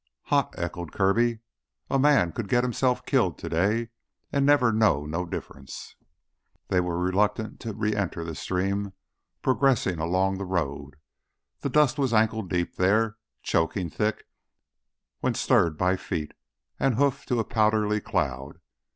"Hot!" echoed Kirby. "A man could git hisself killed today an' never know no difference." They were reluctant to re enter the stream progressing along the road. The dust was ankle deep there, choking thick when stirred by feet and hoof to a powdery cloud.